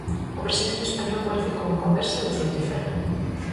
O presidente español cualificou a conversa de frutífera.